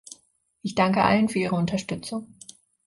Ich danke allen für Ihre Unterstützung.